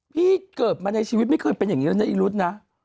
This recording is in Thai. พี่เกิดมาในชีวิตไม่เคยเป็นอย่างนี้แล้วนะอีรุธนะ